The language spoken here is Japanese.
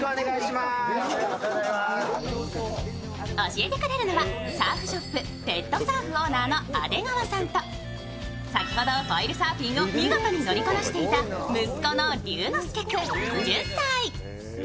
教えてくれるのはサーフショップＴＥＤＳＵＲＦオーナーの阿出川さんと先ほどフォイルサーフィンを見事に乗りこなしていた息子の龍ノ介君、１０歳。